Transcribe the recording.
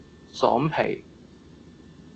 爽皮